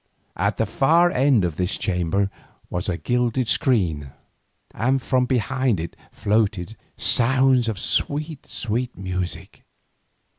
At the far end of this chamber was a gilded screen, and from behind it floated sounds of sweet music.